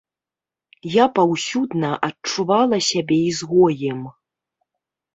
Я паўсюдна адчувала сябе ізгоем.